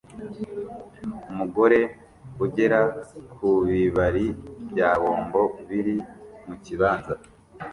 Umugore ugera kubibari bya bombo biri mukibanza